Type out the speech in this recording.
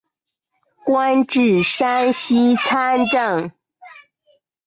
官至山西参政。